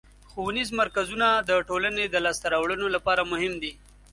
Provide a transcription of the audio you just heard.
ښوونیز مرکزونه د ټولنې د لاسته راوړنو لپاره مهم دي.